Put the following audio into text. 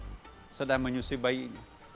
coba bayangkan perempuan sedang menyusui bayinya